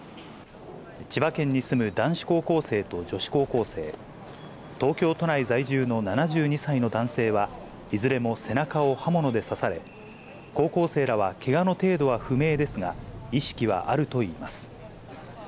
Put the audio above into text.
千葉県に住む男子高校生と女子高校生、東京都内在住の７２歳の男性は、いずれも背中を刃物で刺され、高校生らはけがの程度は不明ですが、意識はあるといいます。